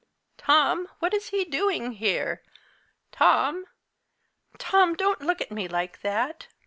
"Tom! what's he doing here? Tom! Tom! don't look at me like that!